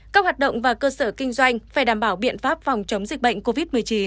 các hoạt động và cơ sở kinh doanh phải đảm bảo biện pháp phòng chống dịch bệnh covid một mươi chín